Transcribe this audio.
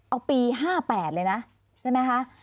เอาปี๕๘เลยนะใช่ไหมคะ